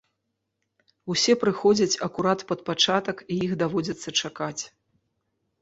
Усе прыходзяць акурат пад пачатак і іх даводзіцца чакаць.